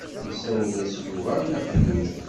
Isawel-as Yuba i Nna Xelluǧa.